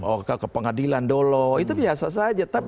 oh ke pengadilan dulu itu biasa saja